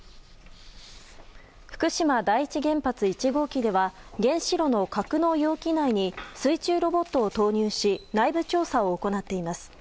福島第一原発１号機では原子炉の格納容器内に水中ロボットを投入し内部調査を行っています。